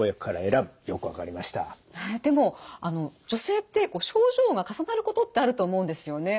でも女性って症状が重なることってあると思うんですよね。